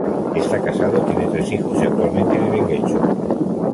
Está casado, tiene tres hijos y actualmente vive en Guecho.